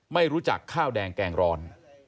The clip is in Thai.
ไม่รู้จักข้าวแดงแกงร้อน